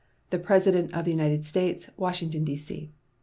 The PRESIDENT OF THE UNITED STATES, _Washington, D.C.